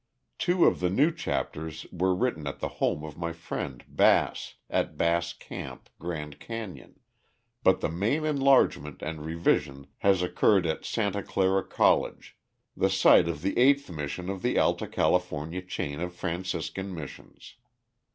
Two of the new chapters were written at the home of my friend Bass, at Bass Camp, Grand Canyon, but the main enlargement and revision has occurred at Santa Clara College, the site of the Eighth Mission in the Alta California chain of Franciscan Missions.